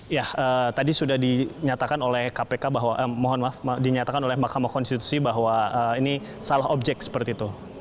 ya tadi sudah dinyatakan oleh mahkamah konstitusi bahwa ini salah objek seperti itu